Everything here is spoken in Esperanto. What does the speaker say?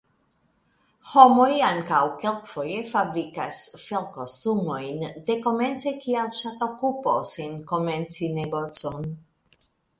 Homoj ankaŭ kelkfoje fabrikas felkostumojn dekomence kiel ŝatokupo sen komenci negocon.